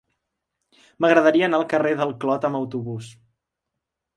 M'agradaria anar al carrer del Clot amb autobús.